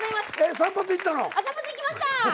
散髪行きました！